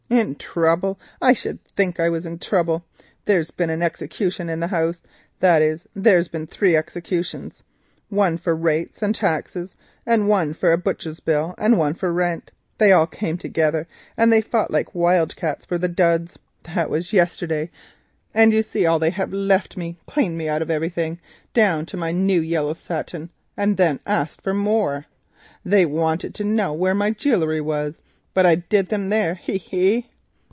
"In trouble, I should think I was in trouble. There's been an execution in the house, that is, there's been three executions, one for rates and taxes, one for a butcher's bill, and one for rent. They all came together, and fought like wild cats for the things. That was yesterday, and you see all they have left me; cleaned out everything down to my new yellow satin, and then asked for more. They wanted to know where my jewellery was, but I did them, hee, hee!"